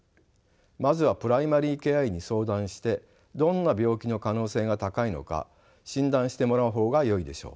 まずはプライマリケア医に相談してどんな病気の可能性が高いのか診断してもらう方がよいでしょう。